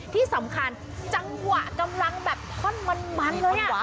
ที่สำคัญจังหวะกำลังแบบท่อนมันเลย